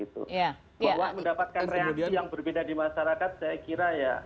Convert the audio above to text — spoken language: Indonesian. bahwa mendapatkan reaksi yang berbeda di masyarakat saya kira ya